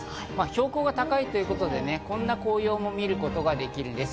標高が高いということで、こんな紅葉も見ることができるんです。